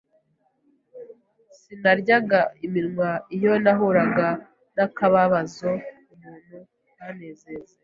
Sinaryaga iminwa iyo nahuraga n’akababzo umuntu ntanezeze,